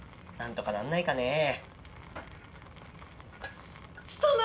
何とかなんないかね。